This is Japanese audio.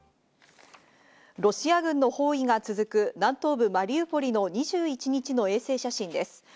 ロシア軍の包囲が続く南東部マリウポリの２１日の衛星写真です。